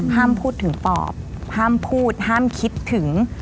ห้ามพูดถึงปอบห้ามพูดห้ามคิดถึง